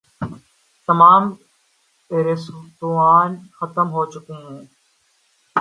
تمام ریستوران ختم ہو چکے ہیں۔